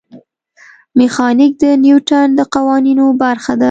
میخانیک د نیوټن د قوانینو برخه ده.